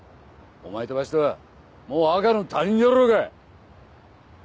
お前とわしとはもう赤の他人じゃろうが！